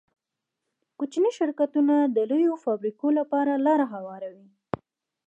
کوچني شرکتونه د لویو فابریکو لپاره لاره هواروي.